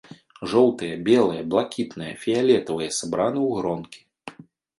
Жоўтыя, белыя, блакітныя, фіялетавыя сабраны ў гронкі.